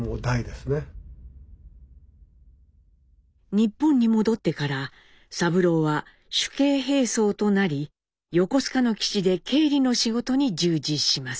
日本に戻ってから三郎は主計兵曹となり横須賀の基地で経理の仕事に従事します。